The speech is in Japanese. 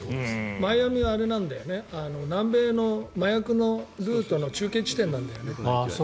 マイアミは南米の麻薬のルートの中継地点なんだよね。